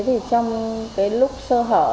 thì trong cái lúc sơ hở